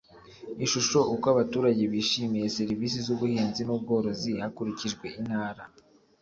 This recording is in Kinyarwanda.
ishusho uko abaturage bishimiye serivisi z ubuhinzi n ubworozi hakurikijwe intara